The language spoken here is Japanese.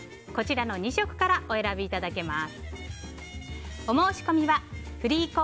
２色からお選びいただけます。